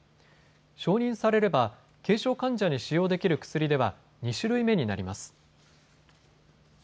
承認されれば軽症患者に使用できる薬では２種類目になります。